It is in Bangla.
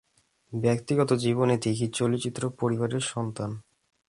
ব্যক্তিগত জীবনে দীঘি চলচ্চিত্র পরিবারের সন্তান।